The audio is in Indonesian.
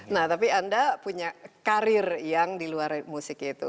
nah tapi anda punya karir yang di luar musik itu